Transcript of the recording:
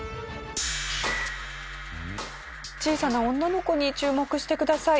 小さな女の子に注目してください。